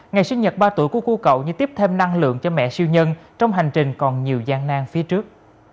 ngày sinh nhật ba tuổi của cô cậu như tiếp thêm năng lượng cho mẹ siêu nhân trong hành trình còn nhiều gian nan phía trước